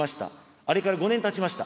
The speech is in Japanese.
あれから５年たちました。